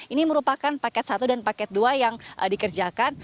ini merupakan paket satu dan paket dua yang dikerjakan